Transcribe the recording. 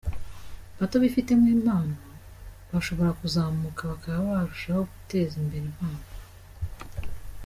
bato bifitemo impano bashobora kuzamuka bakaba barushaho guteza imbere impano.